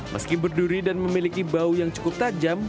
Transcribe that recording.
meski berduri dan memiliki bau yang cukup tajam